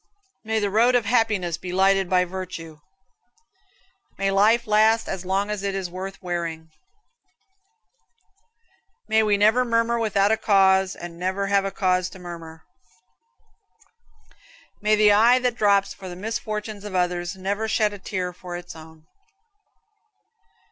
May the road of happiness be lighted by virtue. May life last as long as it is worth wearing. May we never murmur without a cause, and never have a cause to murmur. May the eye that drops for the misfortunes of others never shed a tear for its own.